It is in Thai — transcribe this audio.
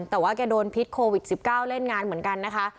แต่ว่าแกโดนพิษโควิด๑๙เล่นงานเหมือนกันนะคะ